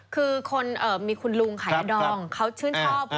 คือคนมีคุณลุงขายยาดองเขาชื่นชอบ